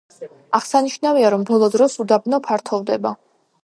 აღსანიშნავია, რომ ბოლო დროს უდაბნო ფართოვდება.